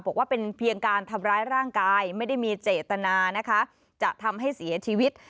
บอกว่าเป็นเพียงการทำร้ายร่างกายไม่ได้มีเจตนานะคะจะทำให้เสียชีวิต